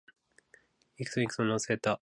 いくつも、いくつも乗せた